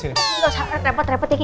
gak usah repot repot ya